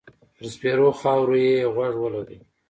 پر سپېرو خاور يې غوږ و لګاوه.